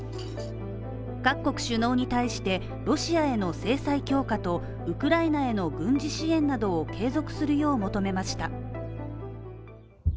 各国首脳に対して、ロシアへの制裁強化とウクライナへの軍事支援などを継続するよう求めました。